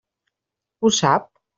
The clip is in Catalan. Ho sap?